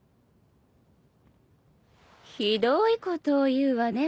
ひどいことを言うわね女将さん。